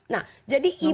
nah jadi ibu